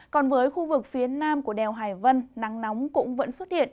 còn với khu vực phía nam của đèo hải vân nắng nóng cũng vẫn xuất hiện